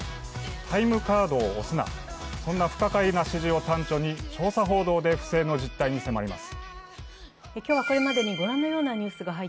「タイムカードを押すな」、そんな不可解な指示を端緒に調査報道で不正の実態に迫ります。